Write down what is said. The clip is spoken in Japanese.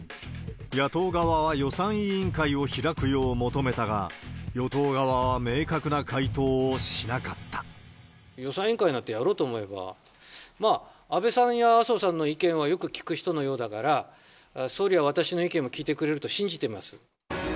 野党側は予算委員会を開くよう求めたが、予算委員会なんてやろうと思えば、安倍さんや麻生さんの意見はよく聞く人のようだから、総理は私の意見も聞いてくれると信じてます。